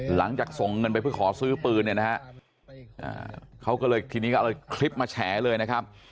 หลังจากส่งเงินไปเพื่อขอซื้อปืนเนี่ยนะฮะเขาก็เลยทีนี้ก็เอาคลิปมาแฉเลยนะครับ